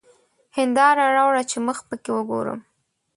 هېنداره راوړه چي مخ پکښې وګورم!